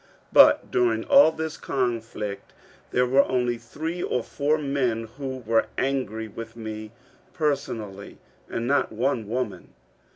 But during all this conflict there were only three or four men who were angry with me personally, and not one woman.